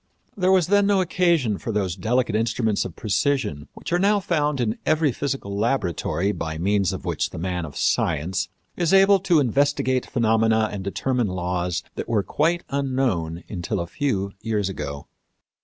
There was then no occasion for those delicate instruments of precision which are now found in every physical laboratory by means of which the man of science is able to investigate phenomena and determine laws that were quite unknown until a few years ago.